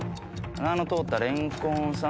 「あなのとおったレンコンさん」